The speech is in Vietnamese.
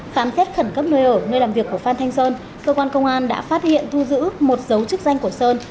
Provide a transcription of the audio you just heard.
khám xét khẩn cấp nơi ở nơi làm việc của phan thanh sơn cơ quan công an đã phát hiện thu giữ một dấu chức danh của sơn